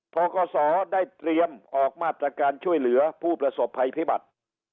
กศได้เตรียมออกมาตรการช่วยเหลือผู้ประสบภัยพิบัติ